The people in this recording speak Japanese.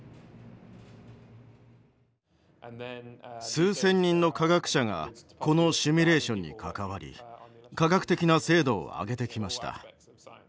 数千人の科学者がこのシミュレーションに関わり科学的な精度を上げてきました。